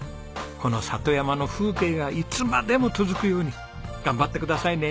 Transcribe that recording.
この里山の風景がいつまでも続くように頑張ってくださいね！